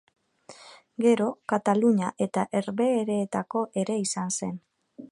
Gero Katalunia eta Herbehereetako ere izan zen.